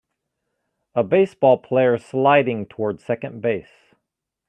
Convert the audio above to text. A baseball player sliding toward second base.